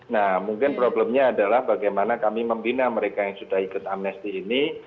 nah mungkin problemnya adalah bagaimana kami membina mereka yang sudah ikut amnesti ini